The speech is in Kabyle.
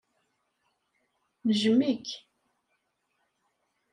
Nejjem-ik.